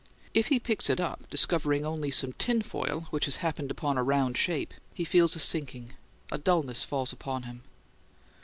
If he picks it up, discovering only some tin foil which has happened upon a round shape, he feels a sinking. A dulness falls upon him.